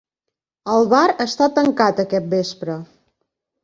El bar està tancat aquest vespre.